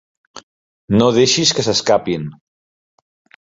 No deixis que s'escapin!